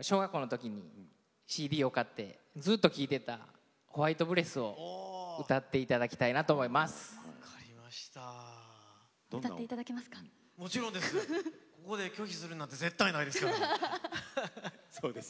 小学校のときＣＤを買ってずっと聴いていた「ＷＨＩＴＥＢＲＥＡＴＨ」を歌っていただきたいと思います。